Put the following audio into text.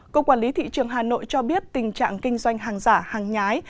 cục quản lý thị trường hà nội cho biết tình trạng kinh doanh hàng giả hàng nhái